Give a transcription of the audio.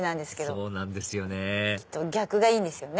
そうなんですよね逆がいいんですよね。